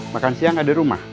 makan siang ada rumah